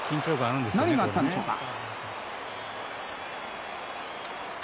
何があったんでしょうか？